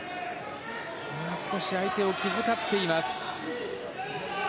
少し相手を気遣っています。